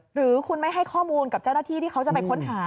หรือคุณไม่ให้ข้อมูลกับเจ้าหน้าที่ที่เขาจะไปค้นหา